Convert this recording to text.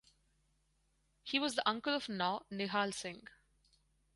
He was the uncle of Nau Nihal Singh.